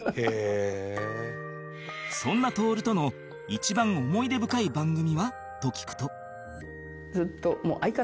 そんな徹との一番思い出深い番組は？と聞くと